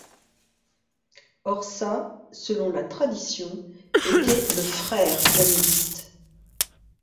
Horsa, selon la tradition, était le frère d'Hengist.